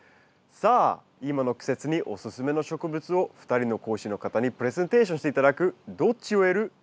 さあ今の季節にオススメの植物を２人の講師の方にプレゼンテーションして頂く「どっち植える？」